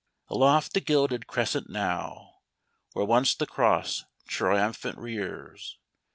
Aloft the gilded crescent now (Where once the cross) triumphant rears.